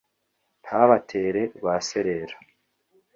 ntabatere rwaserera